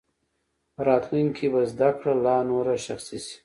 په راتلونکي کې به زده کړه لا نوره شخصي شي.